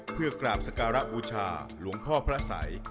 เพื่อกราบสการะบูชาหลวงพ่อพระสัย